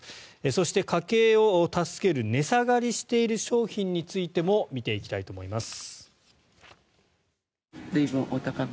そして、家計を助ける値下がりしている商品についても見ていきたいと思います。